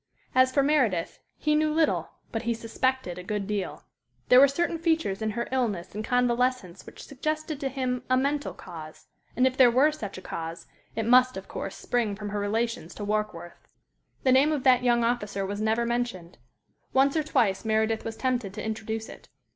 As for Meredith, he knew little, but he suspected a good deal. There were certain features in her illness and convalescence which suggested to him a mental cause; and if there were such a cause, it must, of course, spring from her relations to Warkworth. The name of that young officer was never mentioned. Once or twice Meredith was tempted to introduce it.